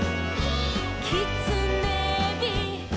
「きつねび」「」